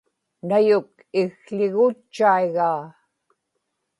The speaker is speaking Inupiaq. Nayuk ikł̣igutchaigaa